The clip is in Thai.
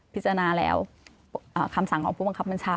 พิจารณาแล้วคำสั่งของผู้บังคับบัญชา